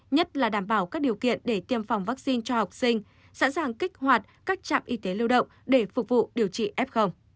nhất là đảm bảo các điều kiện để tiêm phòng vaccine cho học sinh sẵn sàng kích hoạt các trạm y tế lưu động để phục vụ điều trị f